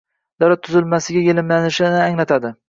davlat tuzilmasiga yelimlanishini anglatadi.